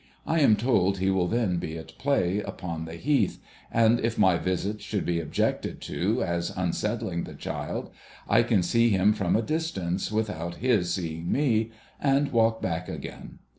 I am told he will then be at play upon the Heath ; and if my visits should be objected to, as unsettling the child, I can see him from a distance without his seeing me, and walk back again.